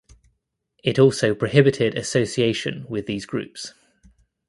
It also prohibited association with these groups.